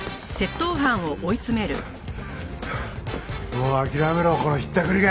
もう諦めろこのひったくりが！